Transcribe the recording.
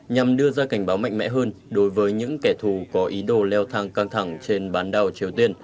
nhằm đưa ra cảnh báo mạnh mẽ hơn đối với những kẻ thù có ý đồ leo thang căng thẳng trên bán đảo triều tiên